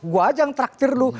gue aja yang traktir lu